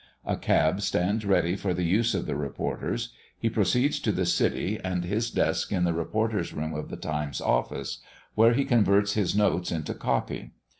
A cab stands ready for the use of the reporters. He proceeds to the city and his desk in the reporter's room of the Times' office, where he converts his "notes" into "copy."